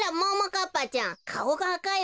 かっぱちゃんかおがあかいわね。